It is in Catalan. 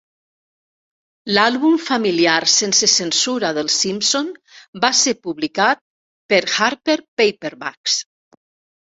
"L'àlbum familiar sense censura dels Simpson" va ser publicat per Harper Paperbacks.